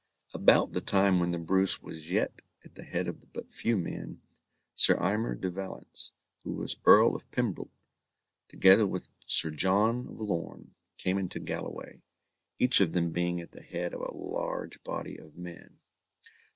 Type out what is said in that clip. About the time when the Bruce was yet at the head of but few men, Sir Aymer de Valence, who was Earl of Pembroke, together with Sir John of Lorn, came into Galloway, each of them being at the head of a large body of men.